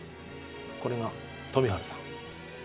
これが富治さん。